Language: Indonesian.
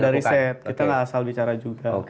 ada riset kita gak asal bicara juga